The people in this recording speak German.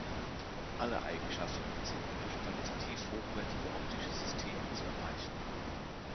Alle Eigenschaften sind nur durch qualitativ hochwertige optische Systeme zu erreichen.